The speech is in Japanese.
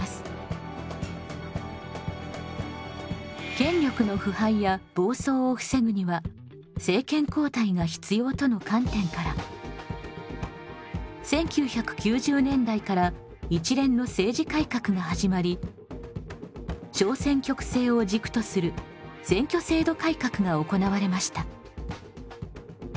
権力の腐敗や暴走を防ぐには政権交代が必要との観点から１９９０年代から一連の政治改革が始まり小選挙区制を軸とする選挙制度改革が行われました。